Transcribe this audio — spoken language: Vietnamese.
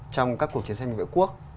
trong các cuộc chiến tranh vệ quốc